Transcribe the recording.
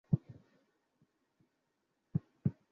কত কিছু ঘটেছে, তাই না?